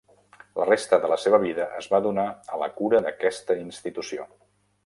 La resta de la seva vida es va donar a la cura d'aquesta institució.